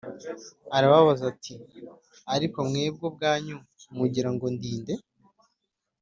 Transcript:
Arababaza ati “Ariko mwebwe ubwanyu mugira ngo ndi nde?”